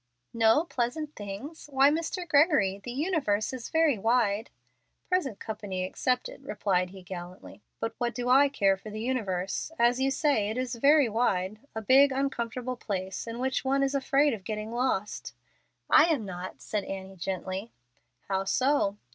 '" "No 'pleasant things'? Why, Mr. Gregory! The universe is very wide." "Present company excepted," replied he gallantly. "But what do I care for the universe? As you say, it is 'very wide' a big, uncomfortable place, in which one is afraid of getting lost." "I am not," said Annie, gently. "How so?"